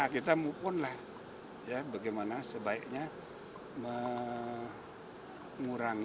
kita mumpun lah bagaimana sebaiknya mengurangi